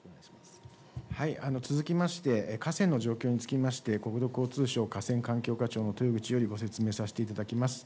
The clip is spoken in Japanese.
続きまして、河川の状況につきまして、国土交通省河川環境課長の豊口よりご説明させていただきます。